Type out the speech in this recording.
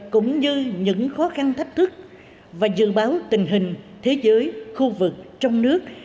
cũng như những khó khăn thách thức và dự báo tình hình thế giới khu vực trong nước